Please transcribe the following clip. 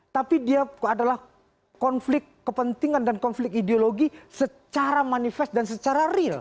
tapi dia adalah konflik kepentingan dan konflik ideologi secara manifest dan secara real